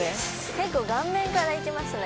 結構顔面から行きますね。